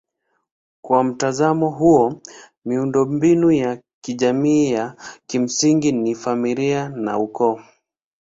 Kwa mtazamo huo miundombinu ya kijamii ya kimsingi ni familia na ukoo.